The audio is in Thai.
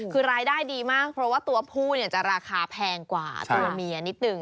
คือรายได้ดีมากเพราะว่าตัวผู้เนี่ยจะราคาแพงกว่าตัวเมียนิดนึง